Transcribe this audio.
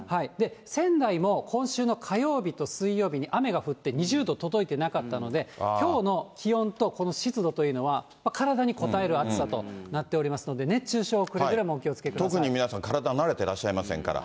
仙台も今週の火曜日と水曜日に雨が降って２０度届いてなかったので、きょうの気温とこの湿度というのは、体にこたえる暑さとなっておりますので、熱中症、特に皆さん、体慣れてらっしゃいませんから。